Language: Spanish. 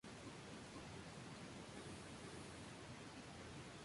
Se añaden los unicornios como estado de vida oculto.